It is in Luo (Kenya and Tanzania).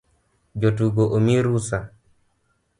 Jotugo omii rusa